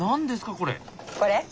これ？